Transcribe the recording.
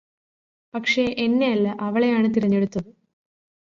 പക്ഷേ എന്നെയല്ല അവളെയാണ് തിരഞ്ഞെടുത്തത്